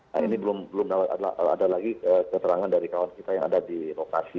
nah ini belum ada lagi keterangan dari kawan kita yang ada di lokasi